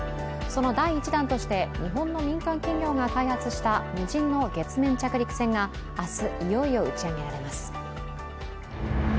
その第１弾として日本の民間企業が開発した無人の月面着陸船が明日、いよいよ打ち上げられます。